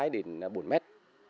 tỉnh bốn mét